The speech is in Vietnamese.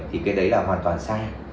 thì cái đấy là hoàn toàn sai